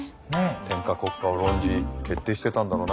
天下国家を論じ決定してたんだろうな